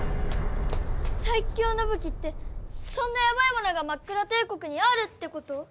最凶の武器ってそんなヤバいものがマックラ帝国にあるってこと？